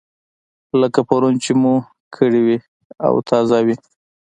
لکه پرون چې مو کړې وي او تازه وي.